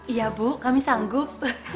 iya bu kami sanggup